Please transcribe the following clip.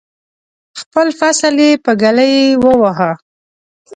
خپل فصل یې په ږلۍ وواهه.